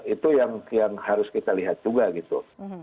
itu yang harus kita lihat juga gitu